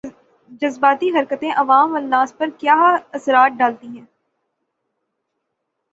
جذباتی حرکتیں عوام الناس پر کیا اثرڈالتی ہیں